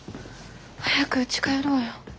早くうち帰ろうよ。